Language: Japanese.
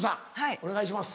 お願いします。